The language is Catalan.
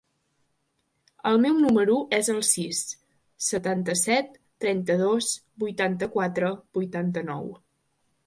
El meu número es el sis, setanta-set, trenta-dos, vuitanta-quatre, vuitanta-nou.